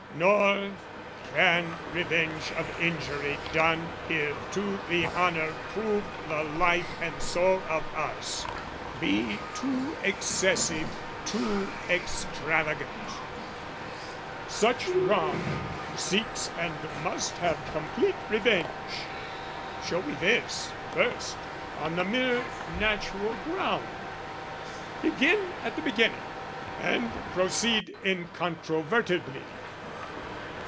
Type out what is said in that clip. Nor can revenge of injury done here To the honour proved the life and soul of us, Be too excessive, too extravagant: Such wrong seeks and must have complete revenge. Show we this, first, on the mere natural ground: Begin at the beginning, and proceed Incontrovertibly.